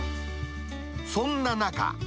そんな中。